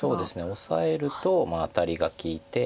オサえるとアタリが利いて。